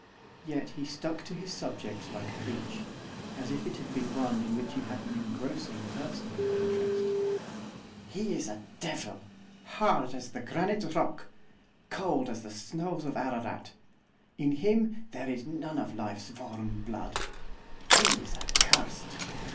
Yet he stuck to his subject like a leech, as if it had been one in which he had an engrossing personal interest. 'He is a devil, hard as the granite rock, cold as the snows of Ararat. In him there is none of life's warm blood, he is accursed!